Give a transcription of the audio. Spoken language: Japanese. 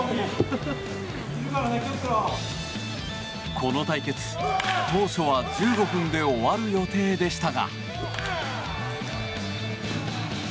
この対決、当初は１５分で終わる予定でしたが。